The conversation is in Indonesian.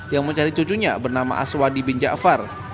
yang mencari cucunya bernama aswadi bin jafar